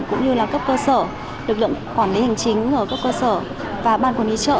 cũng như là cấp cơ sở lực lượng quản lý hành chính ở cấp cơ sở và ban quản lý chợ